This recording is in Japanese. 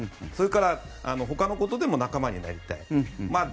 それから、ほかのことでも仲間になりたい。